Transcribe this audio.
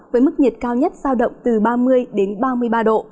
với mức nhiệt cao nhất giao động từ ba mươi đến ba mươi ba độ